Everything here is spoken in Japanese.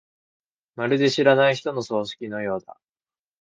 まるで知らない人の葬式のようだ。